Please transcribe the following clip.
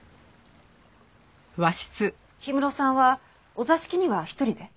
氷室さんはお座敷には１人で？